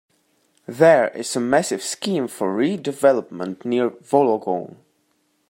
There is a massive scheme for redevelopment near Wollongong.